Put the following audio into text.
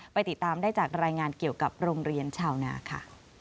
ไปติดตามได้จากรายงานเกี่ยวกับโรงเรียนชาวนาค่ะ